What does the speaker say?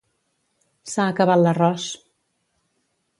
S'ha acabat l'arròs.